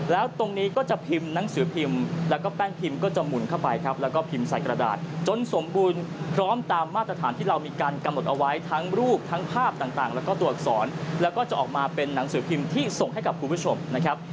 แล้วตรงนี้ก็จะพิมพ์หนังสือพิมพ์แล้วก็แป้งพิมพ์ก็จะหมุนเข้าไปครับแล้วก็พิมพ์ใส่กระดาษจนสมบูรณ์พร้อมตามมาตรฐานที่เรามีการกำหนดเอาไว้ทั้งรูปทั้งภาพต่างแล้วก็ตัวอักษรแล้วก็จะออกมาเป็นหนังสือพิมพ์ที่ส่งให้กับคุณผู้ชมนะครับ